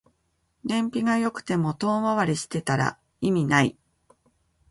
燃費が良くても遠回りしてたら意味ない